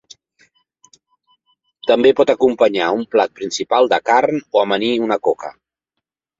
També pot acompanyar un plat principal de carn, o amanir una coca.